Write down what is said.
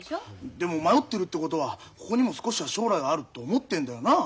でも迷ってるってことはここにも少しは将来があるって思ってんだよなあ？